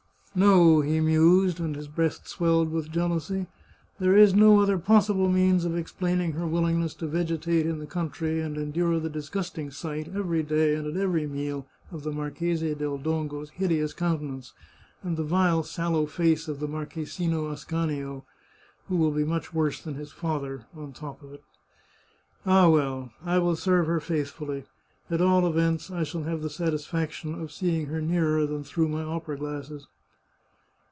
No," he mused, and his breast swelled with jeal ousy, " there is no other possible means of explaining her willingness to vegetate in the country and endure the dis gusting sight, every day and at every meal, of the Marchese del Dongo's hideous countenance, and the vile sallow face of the Marchesino Ascanio, who will be much worse than his father, on the top of it! Ah, well! I will serve her faithfully. At all events, I shall have the satisfaction of seeing her nearer than through my opera glasses."